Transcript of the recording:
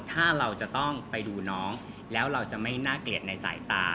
ถ้าเราจะต้องไปดูน้องแล้วเราจะไม่น่าเกลียดในสายตา